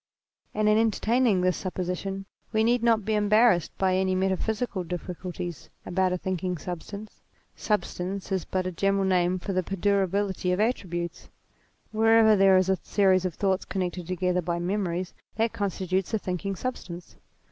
And in entertaining this supposition we need not be embarrassed by any metaphysical difficul ties about a thinking substance. Substance is but a general name for the perdurability of attributes : wherever there is a series of thoughts connected together by memories, that constitutes a thinking substance.